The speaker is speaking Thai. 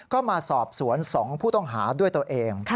ก็มาสอบสวน๒ผู้ต้องหาด้วยตัวเอง